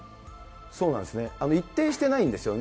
そうなんですね、一定してないんですよね。